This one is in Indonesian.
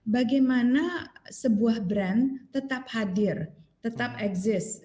bagaimana sebuah brand tetap hadir tetap exist